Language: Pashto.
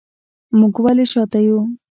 موږ ولې شاته یو